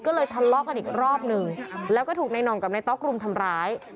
พ่อเลยทันลอกกันอีกรอบหนึ่งแล้วก็ถูกในนองกับในต๊อกกลุ่มทำร้าย